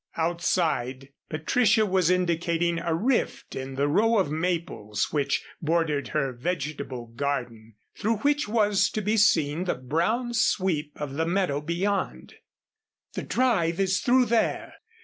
Outside, Patricia was indicating a rift in the row of maples which bordered her vegetable garden, through which was to be seen the brown sweep of the meadow beyond. "The drive is through there.